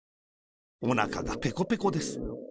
おなかがペコペコです。